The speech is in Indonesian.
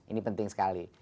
ini penting sekali